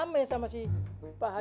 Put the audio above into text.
kiden nggak perlu